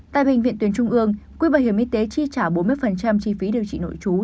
tại bệnh viện tuyến trung ương quỹ bảo hiểm y tế chi trả bốn mươi chi phí điều trị nội trú